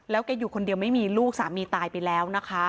แกอยู่คนเดียวไม่มีลูกสามีตายไปแล้วนะคะ